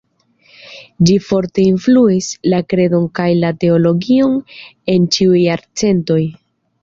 Ĝi forte influis la kredon kaj la teologion en ĉiuj jarcentoj.